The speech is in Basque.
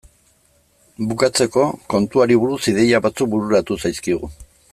Bukatzeko, kontuari buruz ideia batzuk bururatu zaizkigu.